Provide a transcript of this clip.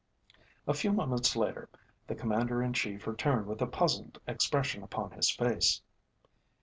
A few moments later the Commander in Chief returned with a puzzled expression upon his face.